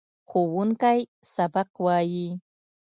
ښوونکی سبق وايي.